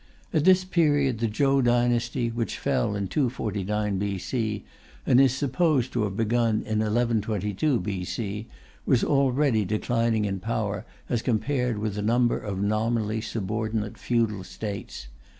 At this period, the Chou dynasty, which fell in 249 B.C. and is supposed to have begun in 1122 B.C., was already declining in power as compared with a number of nominally subordinate feudal States.